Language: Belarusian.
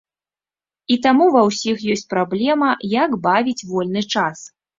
І таму ва ўсіх ёсць праблема, як бавіць вольны час.